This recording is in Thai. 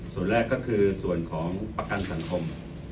ส่วนแรกก็คือส่วนของประกันสังคม